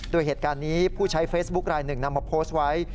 โดยเหตุการณ์นี้ผู้ใช้เฟซบุ๊คลายหนึ่งนำมาโพสต์ไว้